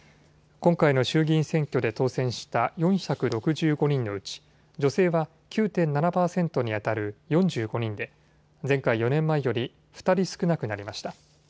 今回の衆議院選挙で当選した４６５人のうち女性は９．７％にあたる４５人で前回４年前より２人少なくなりました。